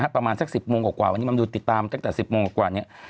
ประมาณสัก๑๐โมงกว่าวันนี้มันดูติดตามตั้งแต่๑๐โมงกว่านี้